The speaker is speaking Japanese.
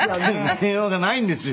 電話がないんですよ。